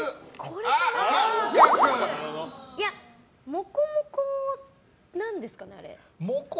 もこもこなんですかね、あれ。